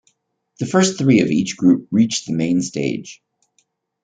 The first three of each group reach the main stage.